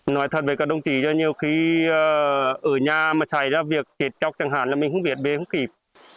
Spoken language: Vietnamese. nói thật với các đồng chí là nhiều khi ở nhà mà xảy ra việc tiệt trọc chẳng hạn là mình không việt về không kịp